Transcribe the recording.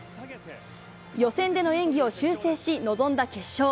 予選での演技を修正し、臨んだ決勝。